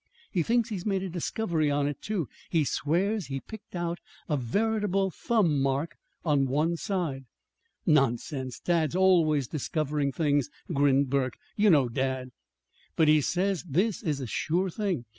He thinks he's made a discovery on it, too. He swears he's picked out a veritable thumb mark on one side." "Nonsense! Dad's always discovering things," grinned Burke. "You know dad." "But he says this is a sure thing.